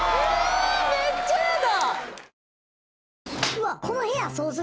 めっちゃやだ。